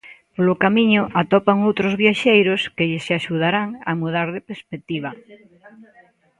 Polo camiño atopan outros viaxeiros que lles axudarán a mudar de perspectiva.